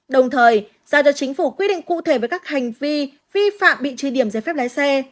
đồng thời ra cho chính phủ quy định cụ thể với các hành vi vi phạm bị trừ điểm giấy phép lái xe